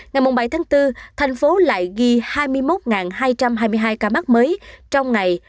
ngày bảy tháng bốn thành phố lại ghi hai mươi một hai trăm hai mươi hai ca mắc mới trong ngày